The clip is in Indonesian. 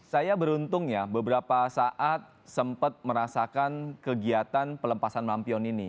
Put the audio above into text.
saya beruntung ya beberapa saat sempat merasakan kegiatan pelepasan lampion ini